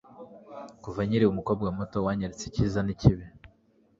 kuva nkiri umukobwa muto, wanyeretse icyiza nikibi